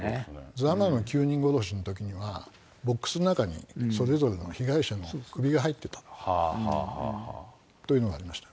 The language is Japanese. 座間の９人殺しのときにはボックスの中にそれぞれの被害者の首が入ってたというのがありました。